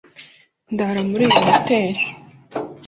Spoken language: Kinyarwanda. Ndara muri iyo hoteri.